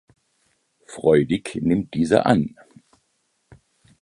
Freudig nimmt dieser an.